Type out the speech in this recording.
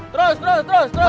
terus terus terus terus